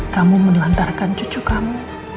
kamu mengelantarkan cucu kamu